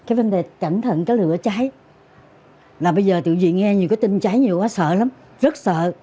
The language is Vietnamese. cái vấn đề cẩn thận cái lửa cháy là bây giờ tự diện nghe nhiều cái tin cháy nhiều quá sợ lắm rất sợ